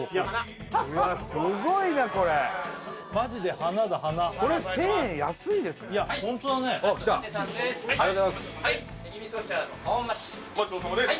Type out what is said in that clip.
うわっすごいなこれマジで花だ花これ１０００円安いですねいやホントだねきたありがとうございます伊達さんです・